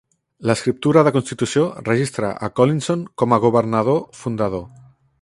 L'escriptura de constitució registra a Collinson com a governador fundador.